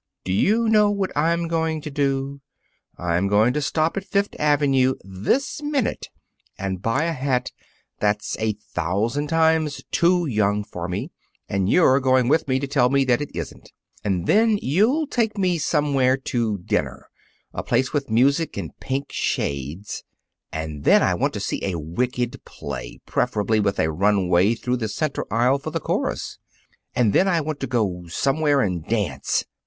Do you know what I'm going to do? I'm going to stop at Fifth Avenue this minute and buy a hat that's a thousand times too young for me, and you're going with me to tell me that it isn't. And then you'll take me somewhere to dinner a place with music and pink shades. And then I want to see a wicked play, preferably with a runway through the center aisle for the chorus. And then I want to go somewhere and dance!